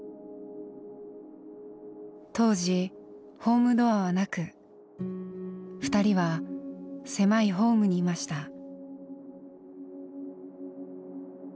当時ホームドアはなく二人は狭いホームにいました。